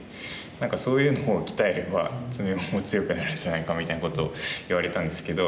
何かそういうのを鍛えれば詰碁も強くなるんじゃないかみたいなことを言われたんですけど。